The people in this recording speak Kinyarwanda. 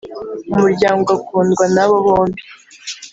umuryango ugakundwa nabo bombi